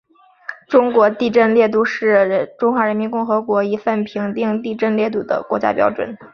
中国地震烈度表是中华人民共和国一份评定地震烈度的国家标准。